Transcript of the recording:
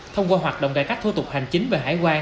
thông qua hoạt động đại cách thu tục hành chính về hải quan